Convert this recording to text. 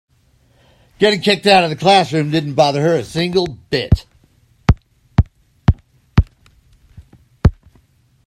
Getting kicked out of the classroom didn't bother her a single bit.